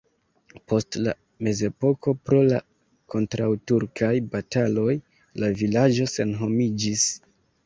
Post la mezepoko pro la kontraŭturkaj bataloj la vilaĝo senhomiĝis.